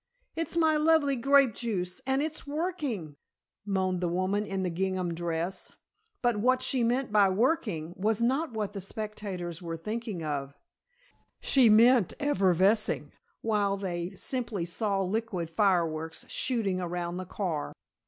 "It's my lovely grape juice and it's working " moaned the woman in the gingham dress. But what she meant by "working" was not what the spectators were thinking of. She meant effervescing, while they simply saw liquid fireworks shooting around the car.